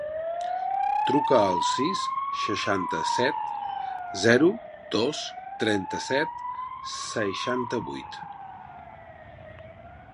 Truca al sis, seixanta-set, zero, dos, trenta-set, seixanta-vuit.